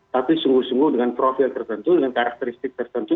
tapi sungguh sungguh dengan profil tertentu dengan karakteristik tertentu